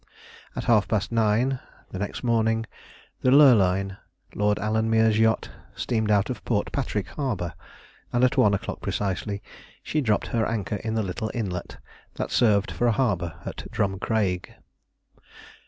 At half past nine the next morning, the Lurline, Lord Alanmere's yacht, steamed out of Port Patrick Harbour, and at one o'clock precisely she dropped her anchor in the little inlet that served for a harbour at Drumcraig.